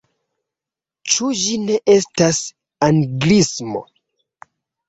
Ĉu ĝi ne estas anglismo?